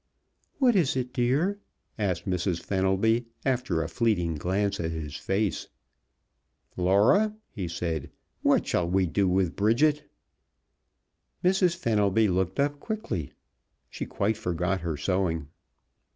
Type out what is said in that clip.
"What is it, dear?" asked Mrs. Fenelby, after a fleeting glance at his face. "Laura," he said, "what shall we do with Bridget?" Mrs. Fenelby looked up quickly. She quite forgot her sewing.